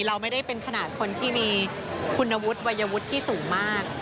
เราไม่ได้เป็นขนาดคนที่มีคุณวุฒิวัยวุฒิที่สูงมาก